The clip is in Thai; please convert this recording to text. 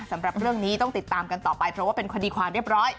สำหรับเรื่องนี้ต้องติดตามกันต่อไปเพราะว่าเป็นคดีความเรียบร้อย